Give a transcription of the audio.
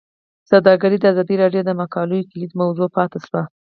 سوداګري د ازادي راډیو د مقالو کلیدي موضوع پاتې شوی.